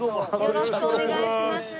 よろしくお願いします。